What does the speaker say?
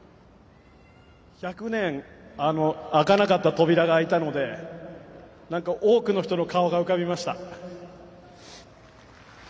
１００年開かなかった扉が開いたので何か多くの人の顔が浮かびました。